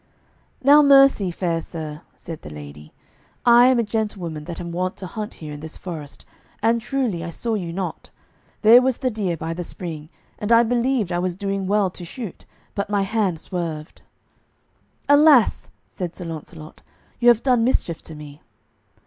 "Now mercy, fair sir," said the lady; "I am a gentlewoman that am wont to hunt here in this forest, and truly I saw you not; there was the deer by the spring, and I believed I was doing well to shoot, but my hand swerved." "Alas," said Sir Launcelot, "ye have done mischief to me."